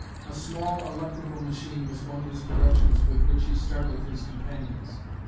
A small electrical machine was one of his productions with which he startled his companions.